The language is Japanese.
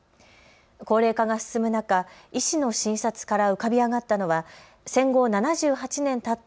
高齢化が進む中、医師の診察から浮かび上がったのは戦後７８年たった